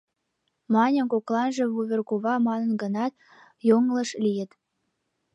Мыньым кокланже вуверкува маныт гынат, йоҥылыш лийыт.